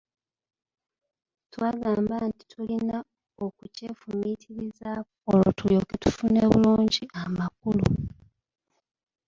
Twagamba nti tulina okukyefumiitirizaako olwo tulyoke tufune bulungi amakulu.